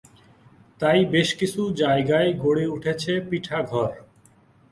তাই, বেশ কিছু জায়গায় গড়ে উঠেছে পিঠাঘর।